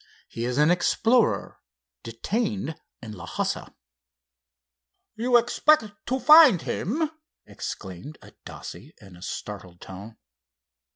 "He is an explorer, detained in Lhassa." "You expect to find him!" exclaimed Adasse, in a startled tone.